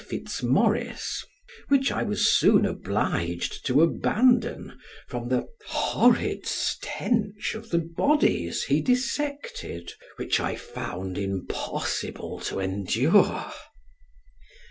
Fitz Morris, which I was soon obliged to abandon, from the horrid stench of the bodies he dissected, which I found it impossible to endure.